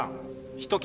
一桁。